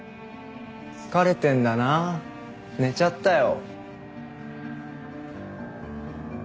疲れてんだな寝ちゃったよ。